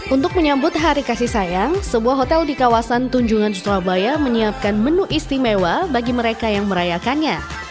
untuk menyambut hari kasih sayang sebuah hotel di kawasan tunjungan surabaya menyiapkan menu istimewa bagi mereka yang merayakannya